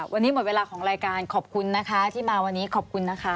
วันนี้หมดเวลาของรายการขอบคุณนะคะที่มาวันนี้ขอบคุณนะคะ